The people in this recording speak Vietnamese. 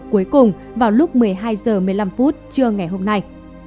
cuối cùng vào lúc một mươi hai h một mươi năm phút trưa ngày hôm nay